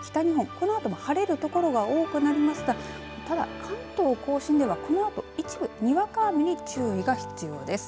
このあとも晴れる所が多くなりますがただ関東甲信ではこのあと一部にわか雨に注意が必要です。